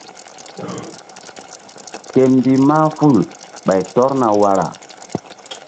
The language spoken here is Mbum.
Ke mbih mahful ɓay tɔrna wara.